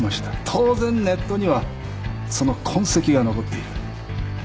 当然ネットにはその痕跡が残っている。